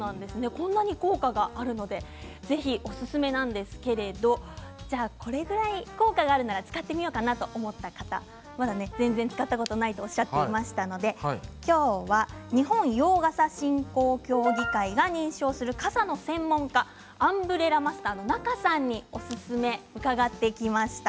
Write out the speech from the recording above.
こんなに効果があるのでぜひおすすめなんですけれどこれくらい効果があるなら使ってみようかなと思った方まだ全然使ったことがないとおっしゃっていましたので今日は日本洋傘振興協議会が認証する傘の専門家アンブレラマスターの仲さんにおすすめを伺ってきました。